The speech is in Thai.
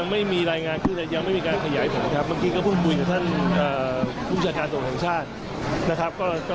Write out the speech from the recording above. เพราะผมว่าปัญหามันใหญ่มาก